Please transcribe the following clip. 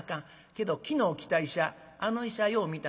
けど昨日来た医者あの医者よう診たな。